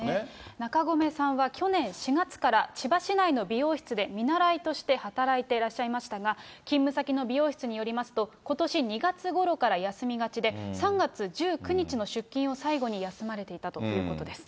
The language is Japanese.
中込さんは去年４月から千葉市内の美容室で見習いとして働いてらっしゃいましたが、勤務先の美容室によりますと、ことし２月ごろから休みがちで、３月１９日の出勤を最後に休まれていたということです。